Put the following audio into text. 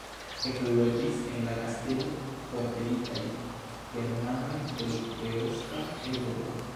Ekloĝis en la kastelo forpelitaj germanoj el Eosta Eŭropo.